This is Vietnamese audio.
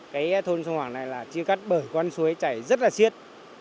cái thôn sùng hoàng này là chia cắt bởi con suối chảy rất là siết